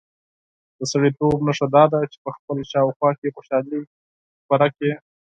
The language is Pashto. د سړیتوب نښه دا ده چې په خپل شاوخوا کې خوشالي خپره کړي.